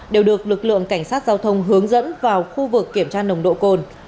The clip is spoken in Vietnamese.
đều được lực lượng cảnh sát giao thông hướng dẫn vào khu vực kiểm tra nồng độ cồn